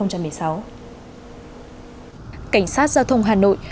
cảnh sát giao thông hà nội